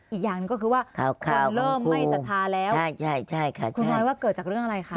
อีกอย่างนึงก็คือว่าข่าวข่าวของครูคนเริ่มไม่ศรัทธาแล้วใช่ใช่ใช่ค่ะคุณร้อยว่าเกิดจากเรื่องอะไรค่ะ